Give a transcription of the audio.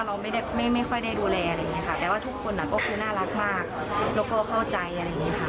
แต่ว่าเราไม่ค่อยได้ดูแลอะไรแบบนี้ค่ะแต่ว่าทุกคนก็คือน่ารักมากแล้วก็เข้าใจอะไรแบบนี้ค่ะ